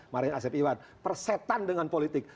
marahin asep iwan persetan dengan politik